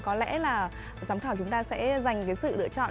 có lẽ là giám khảo chúng ta sẽ dành cái sự lựa chọn